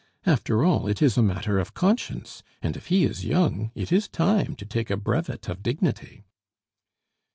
After all, it is a matter of conscience; and if he is young, it is time to take a brevet of dignity."